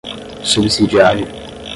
subsidiário